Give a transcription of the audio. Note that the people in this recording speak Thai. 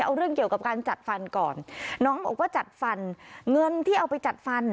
เอาเรื่องเกี่ยวกับการจัดฟันก่อนน้องบอกว่าจัดฟันเงินที่เอาไปจัดฟัน